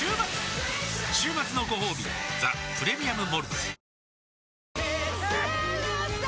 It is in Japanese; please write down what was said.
週末のごほうび「ザ・プレミアム・モルツ」